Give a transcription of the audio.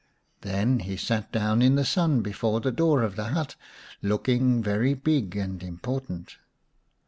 Then he sat down in the sun before the door of the hut, looking very big and important.